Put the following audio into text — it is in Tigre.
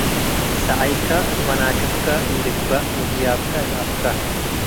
ሰዐይከ እብ መናክብከ ኢልግበእ ወህያብከ እብ አፉከ።